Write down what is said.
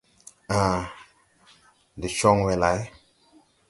Ãã, ndɛ cɔŋ wɛ lay.